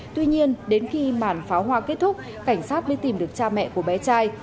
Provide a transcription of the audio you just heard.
tuy nhiên đến khi màn pháo hoa kết thúc cảnh sát mới tìm được cha mẹ của bé trai